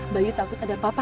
bayi takut ada apa apa